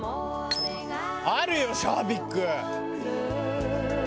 あるよシャービック。